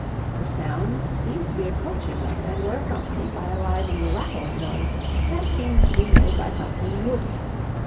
The sounds seemed to be approaching us, and were accompanied by a lively rattling noise, that seemed to be made by something wooden.